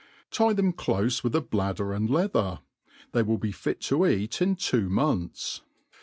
Tie them clofe ^with a bladder and leather ; they will be fit to eat in two jnonths.